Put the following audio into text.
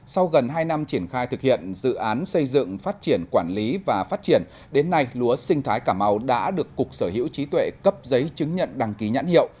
sau gần hai năm triển khai thực hiện dự án xây dựng phát triển quản lý và phát triển đến nay lúa sinh thái cà mau đã được cục sở hữu trí tuệ cấp giấy chứng nhận đăng ký nhãn hiệu